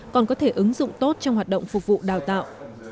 còn có thể ứng dụng tốt trong hoạt động phục vụ đào tạo